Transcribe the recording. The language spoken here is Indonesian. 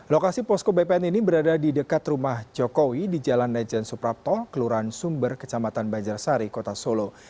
lokasi posko bpn ini berada di dekat rumah jokowi di jalan nejen suprapto kelurahan sumber kecamatan banjarsari kota solo